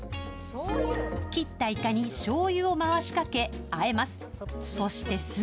切ったイカにしょうゆを回しかけ、あえます。